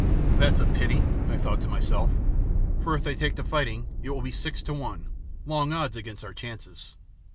"That's a pity," I thought to myself, "for if they take to fighting it will be six to one long odds against our chances."